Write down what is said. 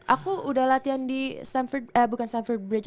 aku udah latihan di stamford eh bukan stamford bridge